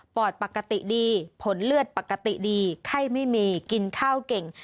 ปกติดีผลเลือดปกติดีไข้ไม่มีกินข้าวเก่ง